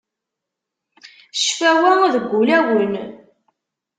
Ccfawa, deg ulawen.